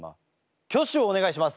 挙手をお願いします。